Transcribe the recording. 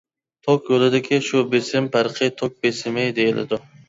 توك يولىدىكى شۇ بېسىم پەرقى توك بېسىمى دېيىلىدۇ.